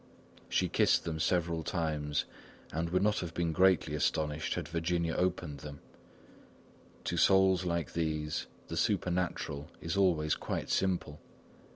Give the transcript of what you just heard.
She kissed them several times and would not have been greatly astonished had Virginia opened them; to souls like these the supernatural is always quite simple.